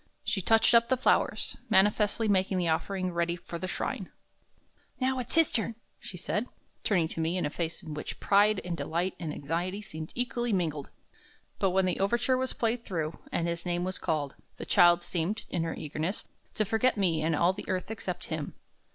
She touched up the flowers, manifestly making the offering ready for the shrine. "Now it's his turn," she said, turning to me a face in which pride and delight and anxiety seemed equally mingled. But when the overture was played through, and his name was called, the child seemed, in her eagerness, to forget me and all the earth except him.